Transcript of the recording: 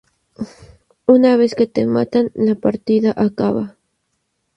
Una vez que te matan, la partida acaba.